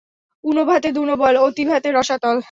ঊনো ভাতে দুনো বল, অতি ভাতে রসাতল।